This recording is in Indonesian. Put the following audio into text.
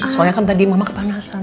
soalnya kan tadi mama kepanasan